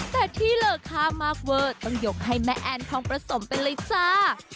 แต่ที่เหลือค่ามากเวอร์ต้องยกให้แม่แอนทองประสมไปเลยจ้า